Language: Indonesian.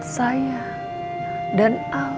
saya dan al